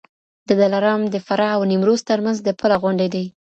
دلارام د فراه او نیمروز ترمنځ د پله غوندي دی.